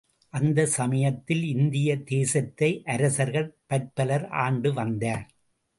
அந்தச் சமயத்தில் இந்திய தேசத்தை அரசர்கள் பற்பலர் ஆண்டுவந்தார்.